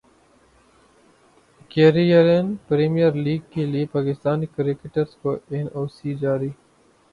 Caribbean premier league کیلئے Pakistani cricketers کو N O C جاری